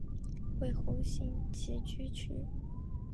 为侯姓集居区。